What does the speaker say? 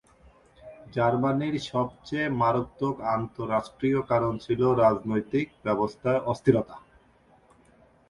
জার্মানির সবচেয়ে মারাত্মক আন্তঃরাষ্ট্রীয় কারণ ছিল রাজনৈতিক ব্যবস্থায় অস্থিরতা।